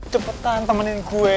cepetan temenin gue